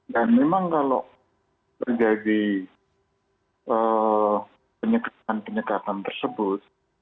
dan memang kalau terjadi penyekatan penyekatan tersebut